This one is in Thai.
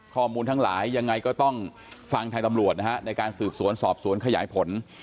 ข้อมูลทั้งหลายยังไงก็ต้องฟังทางตำรวจนะฮะในการสืบสวนสอบสวนขยายผล